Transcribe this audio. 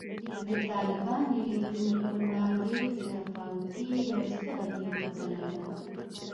د طالباني لیدلوري پر وړاندې بې تفاوتي یوه ستره تېروتنه ده